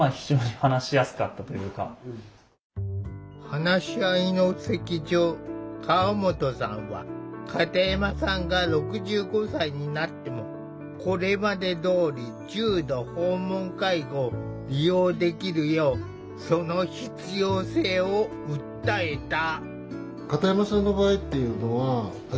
話し合いの席上河本さんは片山さんが６５歳になってもこれまでどおり重度訪問介護を利用できるようその必要性を訴えた。